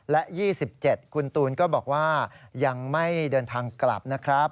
และ๒๗คุณตูนก็บอกว่ายังไม่เดินทางกลับนะครับ